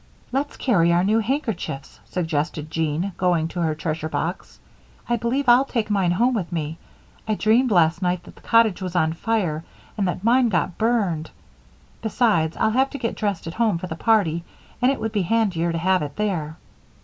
"Let's carry our new handkerchiefs," suggested Jean, going to her treasure box. "I believe I'll take mine home with me I dreamed last night that the cottage was on fire and that mine got burned. Besides, I'll have to get dressed at home for the party and it would be handier to have it there."